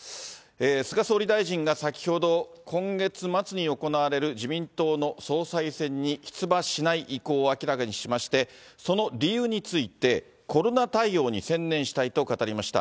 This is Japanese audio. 菅総理大臣が先ほど、今月末に行われる自民党の総裁選に出馬しない意向を明らかにしまして、その理由について、コロナ対応に専念したいと語りました。